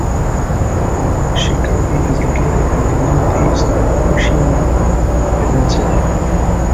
Shikabe is located in northeast of Oshima Peninsula.